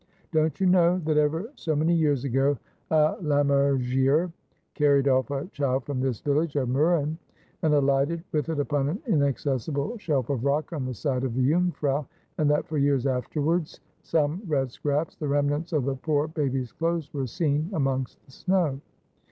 ' Don't you know that ever so many years ago a lammergeier carried oflE a child from this village of Miirren, and alighted with it upon an inaccessible shelf of rock on the side of the Jungfrau, and that for years afterwards some red scraps, the remnants of the poor baby's clothes, were seen amongst the snow